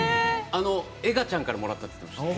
エガちゃんからもらったと言ってました。